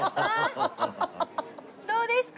どうですか？